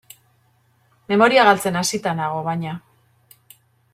Memoria galtzen hasita nago, baina.